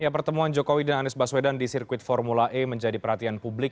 pertemuan jokowi dan anies baswedan di sirkuit formula e menjadi perhatian publik